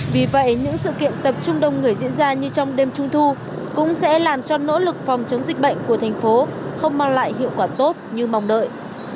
và như trong đêm trung thu cũng sẽ làm cho nỗ lực phòng chống dịch bệnh của thành phố không mang lại hiệu quả tốt như mong đợi